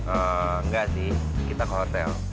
enggak sih kita ke hotel